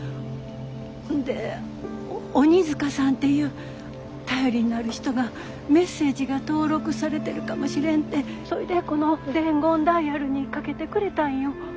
ほんで鬼塚さんっていう頼りになる人がメッセージが登録されてるかもしれんってそいでこの伝言ダイヤルにかけてくれたんよ。